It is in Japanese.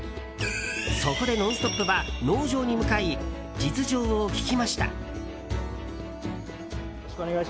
そこで「ノンストップ！」は農場に向かい、実情を聞きました。